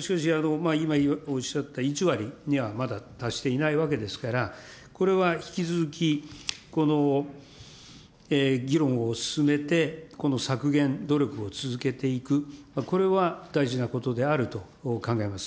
しかし、今おっしゃった１割には、まだ達していないわけですから、これは引き続きこの議論を進めて、この削減努力を続けていく、これは大事なことであると考えます。